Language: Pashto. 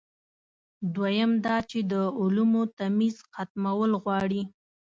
دویم دا چې د علومو تمیز ختمول غواړي.